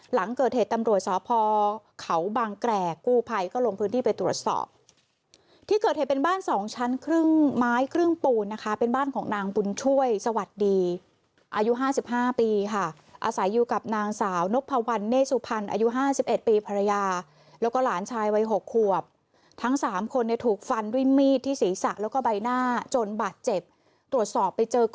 หลังเกิดเหตุตำรวจสพเขาบางแกรกกู้ภัยก็ลงพื้นที่ไปตรวจสอบที่เกิดเหตุเป็นบ้านสองชั้นครึ่งไม้ครึ่งปูนนะคะเป็นบ้านของนางบุญช่วยสวัสดีอายุ๕๕ปีค่ะอาศัยอยู่กับนางสาวนพวันเน่สุพรรณอายุ๕๑ปีภรรยาแล้วก็หลานชายวัย๖ขวบทั้งสามคนเนี่ยถูกฟันด้วยมีดที่ศีรษะแล้วก็ใบหน้าจนบาดเจ็บตรวจสอบไปเจอก